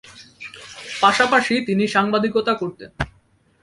পাশাপাশি তিনি সাংবাদিকতা করতেন।